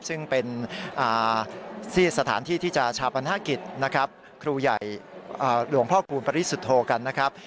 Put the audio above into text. ซึ่งเป็นสถานที่ที่จะชาปัญหากิจครูใหญ่หลวงพ่อคูณปริศุโธกันนะครับ